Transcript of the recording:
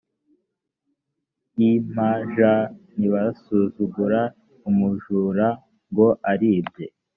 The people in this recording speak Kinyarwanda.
img ntibasuzugura umujura ngo aribye